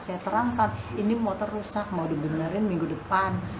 saya terangkan ini motor rusak mau dibenarin minggu depan